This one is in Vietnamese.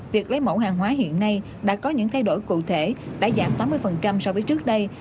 việc lấy mẫu hàng hóa hiện nay đã có những thay đổi cụ thể đã giảm tám mươi so với trước đây